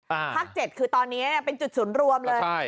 ภาค๗คือตอนนี้เป็นจุดศูนย์รวมเลย